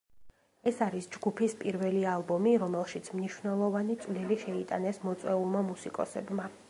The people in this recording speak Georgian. ეს არის ჯგუფის პირველი ალბომი, რომელშიც მნიშვნელოვანი წვლილი შეიტანეს მოწვეულმა მუსიკოსებმა.